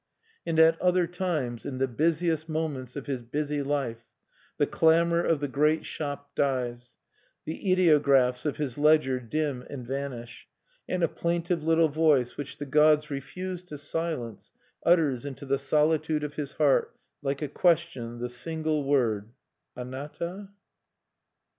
And at other times in the busiest moments of his busy life the clamor of the great shop dies; the ideographs of his ledger dim and vanish; and a plaintive little voice, which the gods refuse to silence, utters into the solitude of his heart, like a question, the single word, "_Anata?